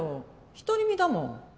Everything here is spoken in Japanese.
独り身だもん。